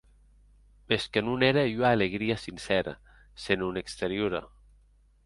Mès que non ère ua alegria sincèra, senon exteriora.